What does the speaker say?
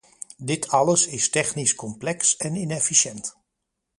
Dit alles is technisch complex en inefficiënt.